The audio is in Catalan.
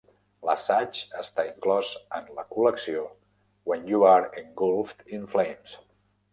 L'assaig està inclòs en la col·lecció "When You Are Engulfed in Flames".